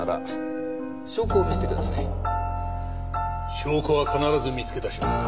証拠は必ず見つけ出します。